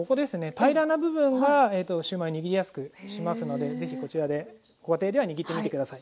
平らな部分がシューマイを握りやすくしますので是非こちらでご家庭では握ってみて下さい。